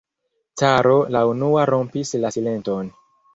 Caro la unua rompis la silenton.